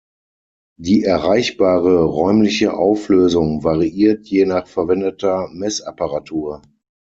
Die erreichbare räumliche Auflösung variiert je nach verwendeter Messapparatur.